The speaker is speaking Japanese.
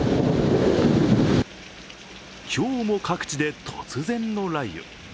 今日も各地で突然の雷雨。